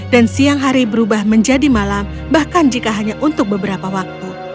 dan siang hari berubah menjadi malam bahkan jika hanya untuk beberapa waktu